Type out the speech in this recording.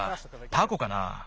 タコかなあ。